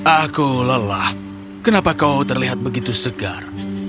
aku lelah kenapa kau terlihat begitu segar